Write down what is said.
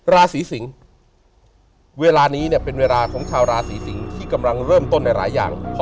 ราศรีสิงค์เวลานี้เป็นเวลาชาวราศรีสิงค์ที่เริ่มต้นในหลายอย่าง